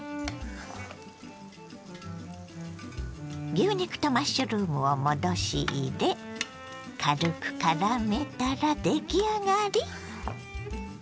牛肉とマッシュルームを戻し入れ軽く絡めたら出来上がり。